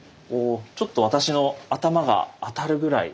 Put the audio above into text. ちょっと私の頭が当たるぐらい。